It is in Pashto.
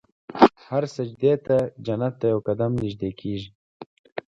هر سجدې ته جنت ته یو قدم نژدې کېږي.